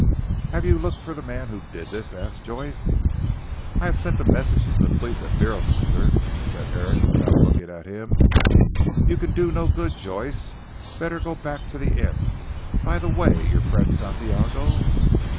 "Have you looked for the man who did this?" asked Joyce. "I have sent a message to the police at Beorminster," said Herrick without looking at him. "You can do no good Joyce; better go back to the inn. By the way your friend Santiago?"